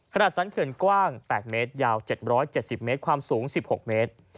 ขนาดสรรคื่นกว้าง๘เมตรยาว๗๗๐เมตรความสูง๑๖เมตร